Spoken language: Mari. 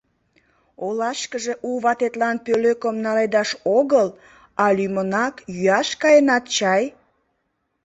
Олашкыже у ватетлан пӧлекым наледаш огыл, а лӱмынак йӱаш каенат чай?